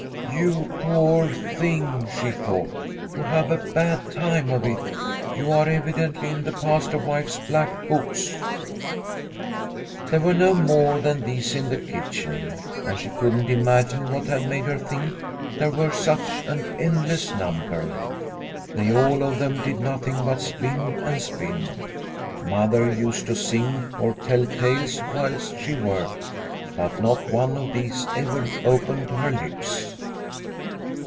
" You poor thing," she thought, " you have a bad time of it ; you are evidently in the Pastor wife's black books." There were no more than these in the kitchen, and she couldn't imagine what had made her think there were such an endless number. They all of them did nothing but spin and spin. Mother used to sing or tell tales whilst she worked, but not one of these ever opened her lips.